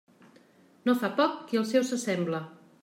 No fa poc qui als seus se sembla.